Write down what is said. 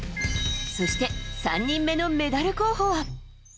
そして、３人目のメダル候補は。